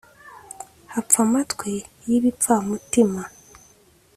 hapfa amatwi y’ibipfamutima,